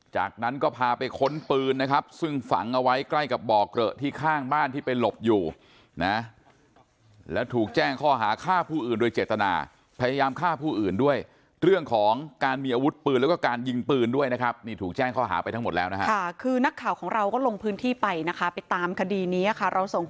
จากนั้นก็พาไปค้นปืนนะครับซึ่งฝังเอาไว้ใกล้กับบ่อเกลอะที่ข้างบ้านที่ไปหลบอยู่นะแล้วถูกแจ้งข้อหาฆ่าผู้อื่นโดยเจตนาพยายามฆ่าผู้อื่นด้วยเรื่องของการมีอาวุธปืนแล้วก็การยิงปืนด้วยนะครับนี่ถูกแจ้งข้อหาไปทั้งหมดแล้วนะฮะค่ะคือนักข่าวของเราก็ลงพื้นที่ไปนะคะไปตามคดีนี้ค่ะเราส่ง